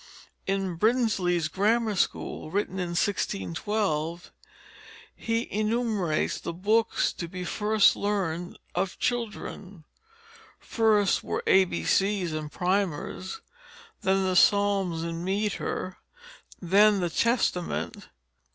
In Brinsley's Grammar Schoole, written in 1612, he enumerates the "bookes to bee first learned of children." First were "abcies" and primers, then the Psalms in metre, then the Testament.